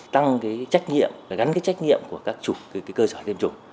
tăng cái trách nghiệm gắn cái trách nghiệm của các cơ sở tiêm chủng